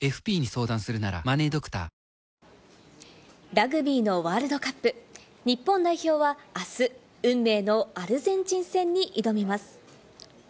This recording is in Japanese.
ラグビーのワールドカップ、日本代表はあす、運命のアルゼンチン戦に挑みます。